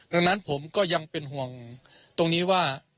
ดังนั้นผมก็ยังเป็นห่วงตรงนี้ว่า